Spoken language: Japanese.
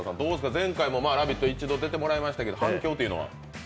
前回も「ラヴィット！」出ていただきましたが反響というのは？